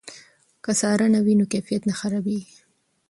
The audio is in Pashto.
که څارنه وي نو کیفیت نه خرابېږي.